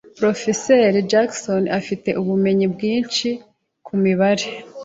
Porofeseri Johnson afite ubumenyi bwinshi ku mibare.